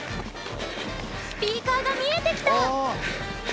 スピーカーが見えてきた！